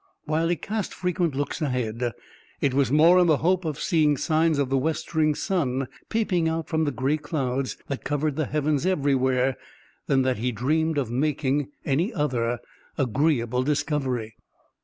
While he cast frequent looks ahead, it was more in the hope of seeing signs of the westering sun peeping out from the gray clouds that covered the heavens everywhere than that he dreamed of making any other agreeable discovery.